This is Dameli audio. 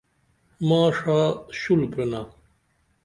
ما ڜا شُل پِرینا